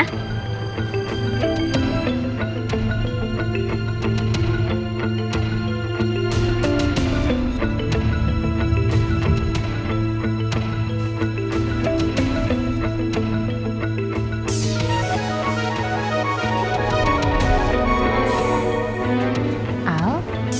aku mau ke